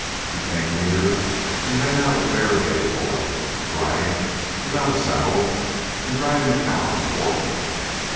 He came near and made out a barelegged boy, riding without a saddle and driving a cow before him.